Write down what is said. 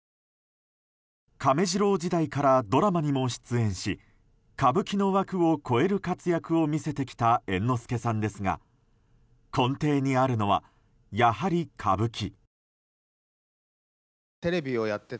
亀治郎時代からドラマにも出演し歌舞伎の枠を超える活躍を見せてきた猿之助さんですが根底にあるのは、やはり歌舞伎。